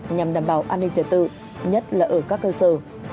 nhằm đảm bảo an ninh trật tự nhất là ở các cơ sở